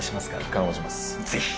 ぜひ！